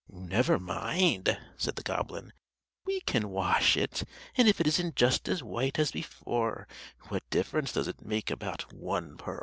"Never mind," said the goblin, "we can wash it, and if it isn't just as white as before, what difference does it make about one pearl?"